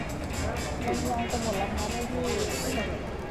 ลมยางจะหมดแล้วฮะด้วยพี่